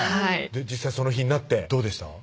実際その日になってどうでした？